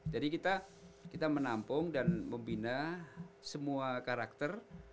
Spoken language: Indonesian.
jadi kita menampung dan membina semua karakter